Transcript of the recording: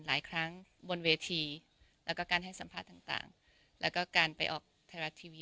หลายครั้งบนเวทีแล้วก็การให้สัมภาษณ์ต่างแล้วก็การไปออกไทยรัฐทีวี